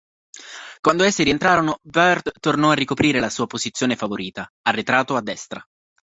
Quando essi rientrarono Baird tornò a ricoprire la sua posizione favorita: arretrato a destra.